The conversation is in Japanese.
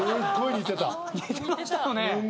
似てましたよね。